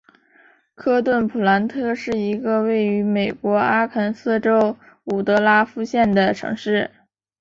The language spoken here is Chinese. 科顿普兰特是一个位于美国阿肯色州伍德拉夫县的城市。